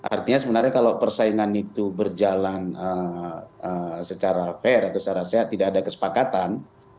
artinya sebenarnya kalau persaingan itu berjalan secara fair atau secara sehat tidak ada kesepakatan